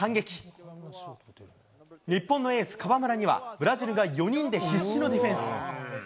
川村にはブラジルが４人で必死のディフェンス。